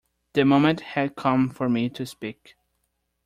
The moment had come for me to speak.